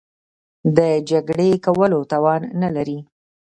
د جګړې کولو توان نه لري.